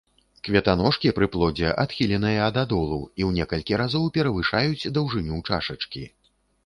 Кветаножкі пры плодзе адхіленыя дадолу і ў некалькі разоў перавышаюць даўжыню чашачкі.